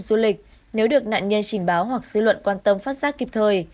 du lịch nếu được nạn nhân trình báo hoặc dư luận quan tâm phát giác kịp thời